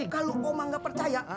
kalau oma nggak percaya